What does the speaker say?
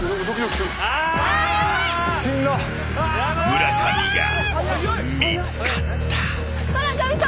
［村上が見つかった］